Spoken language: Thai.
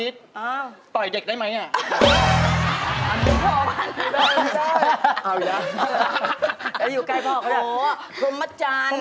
ฉันก็ทืบมาจานทืบมาจาน